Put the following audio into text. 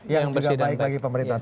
yang juga baik bagi pemerintah